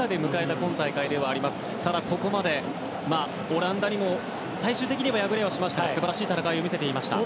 ただ今大会、オランダにも最終的に敗れはしましたが素晴らしい戦いを見せました。